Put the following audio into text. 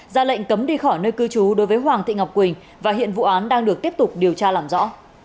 ra lệnh cấm đi khỏi nơi cư trú đối với hoàng thị ngọc quỳnh và hiện vụ án đang được tiếp tục điều tra làm rõ